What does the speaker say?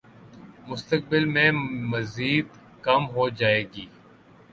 مستقبل میں مزید کم ہو جائے گی